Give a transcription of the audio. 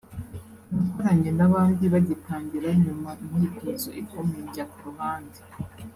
nakoranye n’abandi bagitangira nyuma imyitozo ikomeye njya ku ruhande